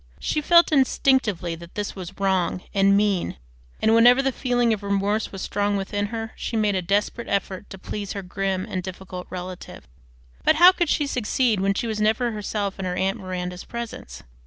She felt instinctively that this was wrong and mean, and whenever the feeling of remorse was strong within her she made a desperate effort to please her grim and difficult relative. But how could she succeed when she was never herself in her aunt Miranda's presence?